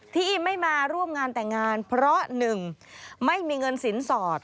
ที่ไม่มาร่วมงานแต่งงานเพราะ๑ไม่มีเงินสินสอด